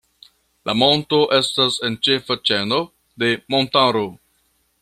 La monto estas en ĉefa ĉeno de montaro.